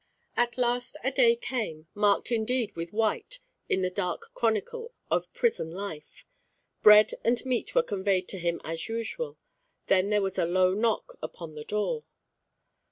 At last a day came, marked indeed with white in the dark chronicle of prison life. Bread and meat were conveyed to him as usual; then there was a low knock upon the door.